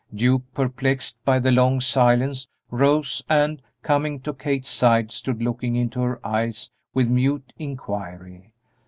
Duke, perplexed by the long silence, rose and, coming to Kate's side, stood looking into her eyes with mute inquiry.